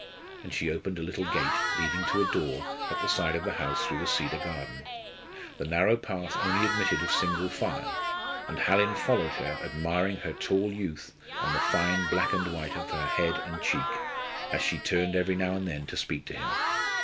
And she opened a little gate leading to a door at the side of the house through the Cedar Garden. The narrow path only admitted of single file, and Hallin followed her, admiring her tall youth and the fine black and white of her head and cheek as she turned every now and then to speak to him.